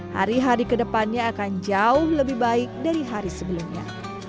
hari hari kedepannya akan jauh lebih baik dari hari sebelumnya